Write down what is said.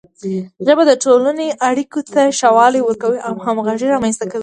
ژبه د ټولنې اړیکو ته ښه والی ورکوي او همغږي رامنځته کوي.